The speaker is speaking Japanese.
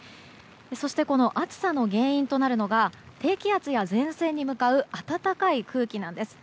この暑さの原因となるのが低気圧や前線に向かう暖かい空気なんです。